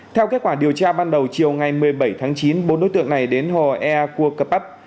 theo kết quả điều tra ban đầu chiều ngày một mươi bảy tháng chín bốn đối tượng này đến hồ ea cua cơ bắp